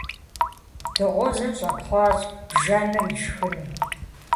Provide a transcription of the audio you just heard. Дыгъужьыр щӀэпхъуащ, бжэныр ишхыну.